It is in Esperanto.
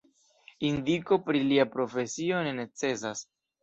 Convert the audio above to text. Indiko pri lia profesio ne necesas.